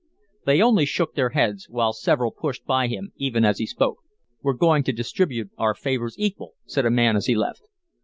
They only shook their heads, while several pushed by him even as he spoke. "We're going to distribute our favors equal," said a man as he left.